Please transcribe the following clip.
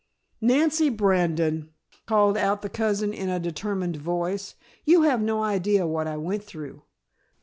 "Nancy Brandon!" called out the cousin in a determined voice, "you have no idea what I went through.